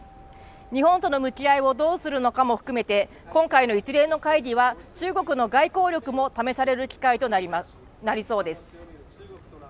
日本との向き合いをどうするのかも含めて今回の一連の会議は中国の外交力も試される機会となりそうです